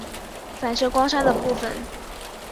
反射光栅的部分。